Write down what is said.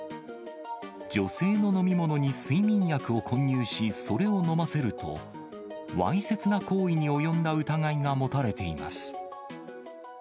女性の飲み物に睡眠薬を混入し、それを飲ませると、わいせつな行為に及んだ疑いが持たれています。